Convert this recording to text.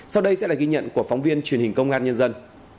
sau đây sẽ là ghi nhận của phóng viên truyền hình công an nhân dân